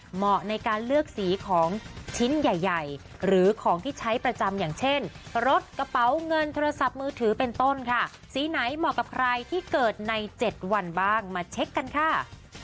เหมาะในการเลือกสีของชิ้นใหญ่ใหญ่หรือของที่ใช้ประจำอย่างเช่นรถกระเป๋าเงินโทรศัพท์มือถือเป็นต้นค่ะสีไหนเหมาะกับใครที่เกิดใน๗วันบ้างมาเช็คกันค่ะ